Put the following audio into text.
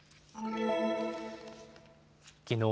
きのう